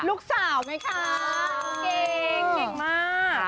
ลูกสาวไหมคะเก่งเก่งมาก